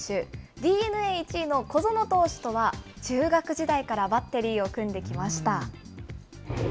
ＤｅＮＡ１位の小園投手とは、中学時代からバッテリーを組んできました。